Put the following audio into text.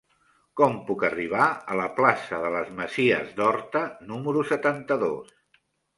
Com puc arribar a la plaça de les Masies d'Horta número setanta-dos?